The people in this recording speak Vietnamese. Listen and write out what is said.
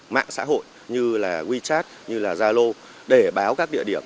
mạng xã hội như là wechat như là zalo để báo các địa điểm